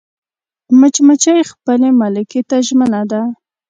مچمچۍ خپل ملکې ته ژمنه ده